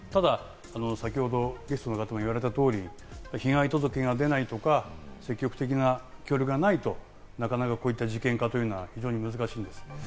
ただ先ほど、ゲストの方も言われた通り、被害届が出ないとか、積極的な協力がないと、なかなか事件化というのは難しいです。